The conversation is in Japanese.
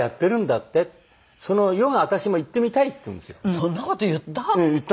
そんな事言った？